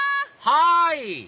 はい！